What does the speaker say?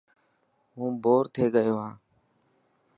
هون بور ٿي گيو هان.